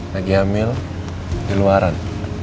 lagi hamil di luaran